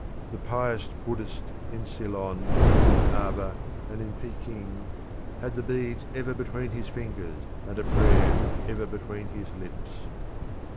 The pious Buddhist in Ceylon, and in Ava, and in Pekin, had the beads ever between his fingers, and a prayer ever between his lips.